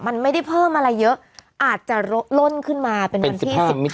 มันไม่ได้เพิ่มอะไรเยอะอาจจะลดขึ้นมาเป็นวันที่สิบห้ามินยอ